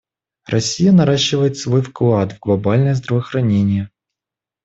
Россия наращивает свой вклад в глобальное здравоохранение.